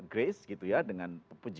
grace gitu ya dengan